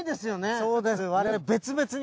そうです。